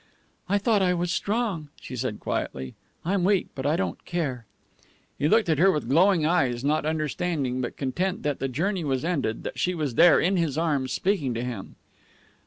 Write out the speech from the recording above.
"I thought I was strong," she said quietly. "I'm weak but I don't care." He looked at her with glowing eyes, not understanding, but content that the journey was ended, that she was there, in his arms, speaking to him.